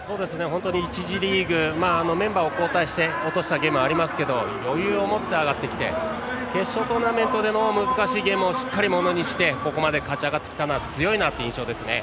１次リーグメンバーを交代して落としたゲームはありますが余裕を持って上がってきて決勝トーナメントでも難しいゲームをしっかりものにしてここまで勝ち上がってきて強いなという印象です。